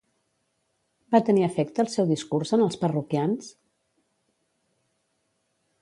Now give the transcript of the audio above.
Va tenir efecte el seu discurs en els parroquians?